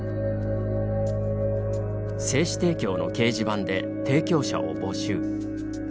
精子提供の掲示板で提供者を募集。